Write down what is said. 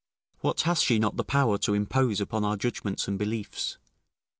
What has she not the power to impose upon our judgments and beliefs?